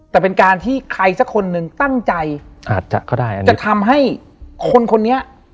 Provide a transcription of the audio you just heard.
แต่เป็นการที่ใครสักคนหนึ่งตั้งใจจะทำให้คนคนนี้